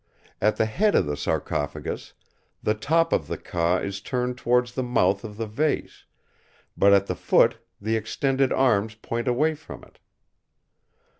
At the head of the sarcophagus the top of the 'Ka' is turned towards the mouth of the vase, but at the foot the extended arms point away from it.